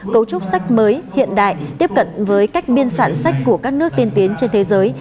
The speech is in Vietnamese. cấu trúc sách mới hiện đại tiếp cận với cách biên soạn sách của các nước tiên tiến trên thế giới